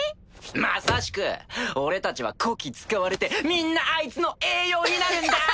まさしく俺たちはこき使われてみんなあいつの栄養になるんだ！